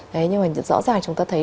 đấy nhưng mà rõ ràng chúng ta thấy